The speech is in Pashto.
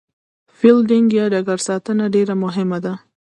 فیلډینګ یا ډګر ساتنه ډېره مهمه ده.